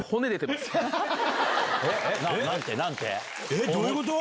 えっどういうこと？